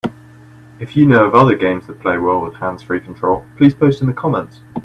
If you know of other games that play well with hands-free control, please post in the comments.